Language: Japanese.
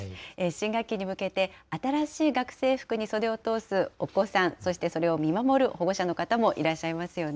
新学期に向けて新しい学生服に袖を通すお子さん、そしてそれを見守る保護者の方もいらっしゃいますよね。